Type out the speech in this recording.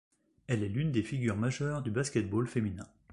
Elle est l'une des figures majeures du basket-ball féminin.